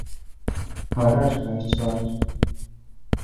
Ārā ir skaists laiks.